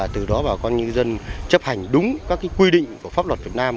từ đó bà con nhân dân chấp hành đúng các quy định của pháp luật việt nam